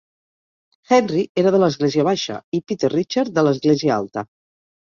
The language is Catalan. Henry era de l'Església baixa i Peter Richard, de l'Església alta.